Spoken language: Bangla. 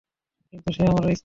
কিন্তু, সে আমার স্ত্রী।